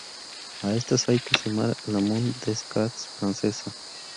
A estas hay que sumar la Mont des Cats francesa.